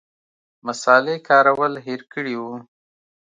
مصالې کارول هېر کړي وو.